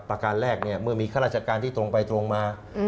ประการแรกเนี่ยเมื่อมีข้าราชการที่ตรงไปตรงมา